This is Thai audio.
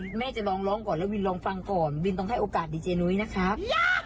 แม่จะลองร้องก่อนแล้ววินลองฟังก่อนวินต้องให้โอกาสดีเจนุ้ยนะครับ